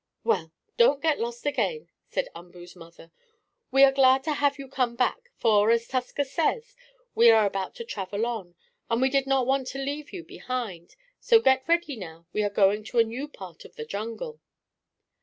"Well, don't get lost again," said Umboo's mother. "We are glad you have come back, for, as Tusker says, we are about to travel on, and we did not want to leave you behind. So get ready now, we are going to a new part of the jungle."